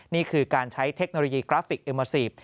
นี่คือการใช้เทคโนโลยีกราฟิกเอมอซีฟ